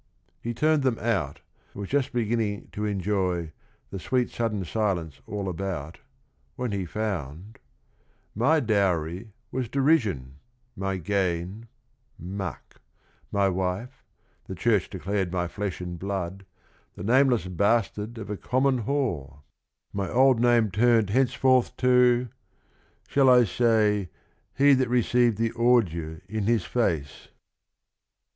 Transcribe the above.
He turned them out, and was just beginning to enjoy "the sweet sudden silence all about" when he found "My dowry was derision, my gain — muck, My wife, (li re Church doolarod my flesh and blood) My old name turned henceforth to ... shall I say 'He that received the ordure in his face.'